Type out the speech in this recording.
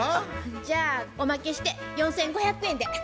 じゃあおまけして４，５００円で。